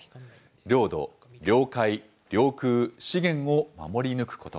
領土、領海、領空、資源を守り抜くこと。